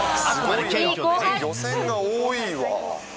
やっぱり漁船が多いわ。